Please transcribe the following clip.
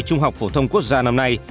trung học phổ thông quốc gia năm nay